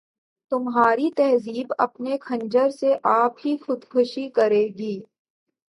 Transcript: تمہاری تہذیب اپنے خنجر سے آپ ہی خودکشی کرے گی